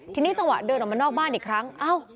ทีนี้จังหวะเดินออกมานอกบ้านอีกครั้ง